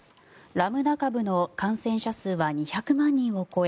ラムダ株の感染者数は２００万人を超え